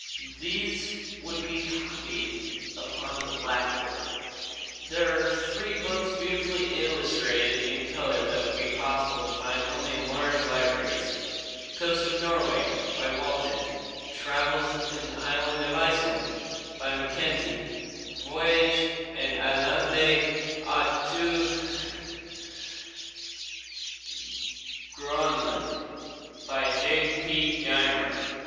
These could be copied upon the blackboard. There are three books beautifully illustrated in color that it will be possible to find only in large libraries, "Coast of Norway," by Walton; "Travels in the Island of Iceland," by Mackenzie; "Voyage en Islande et au Gröenland," by J. P. Gaimard.